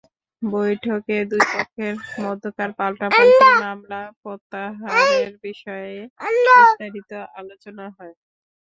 বৈঠকে দুই পক্ষের মধ্যকার পাল্টাপাল্টি মামলা প্রত্যাহারের বিষয়ে বিস্তারিত আলোচনা হয়।